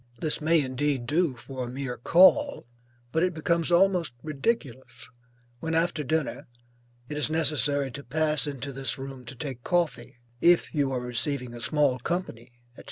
This may indeed do for a mere call; but it becomes almost ridiculous when, after dinner, it is necessary to pass into this room to take coffee, if you are receiving a small company, &c.